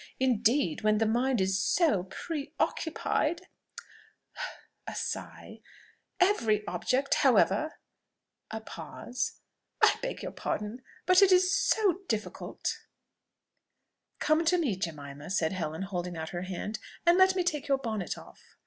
Indeed, when the mind is pre occupied" (a sigh) "every object, however" (a pause) "I beg your pardon, but it is so difficult " "Come to me, Jemima," said Helen, holding out her hand, "and let me take your bonnet off."